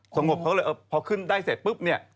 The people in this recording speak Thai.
สงบเขาเลยพอขึ้นได้เสร็จปุ๊บเนี่ย